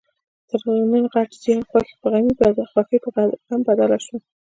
نن غټ زیان؛ خوښي په غم بدله شوه.